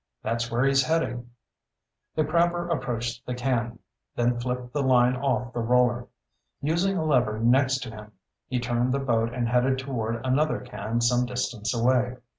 "That's where he's heading." The crabber approached the can, then flipped the line off the roller. Using a lever next to him, he turned the boat and headed toward another can some distance away.